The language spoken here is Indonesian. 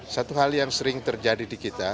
satu hal yang sering terjadi di kita